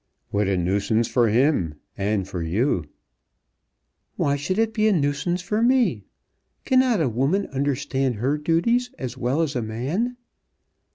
"What a nuisance for him, and for you." "Why should it be a nuisance for me? Cannot a woman understand her duties as well as a man?"